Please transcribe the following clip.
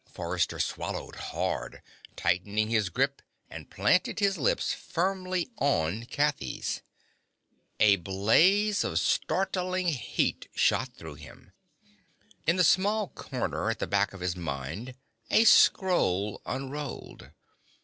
Forrester swallowed hard, tightened his grip and planted his lips firmly on Kathy's. A blaze of startling heat shot through him. In a small corner at the back of his mind, a scroll unrolled.